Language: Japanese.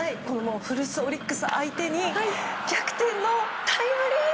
古巣のオリックス相手に逆転のタイムリー。